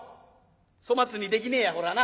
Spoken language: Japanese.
粗末にできねえやこれはな。